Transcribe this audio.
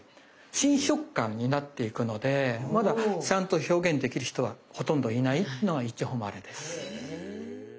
新食感になっていくのでまだちゃんと表現できる人はほとんどいないっていうのがいちほまれです。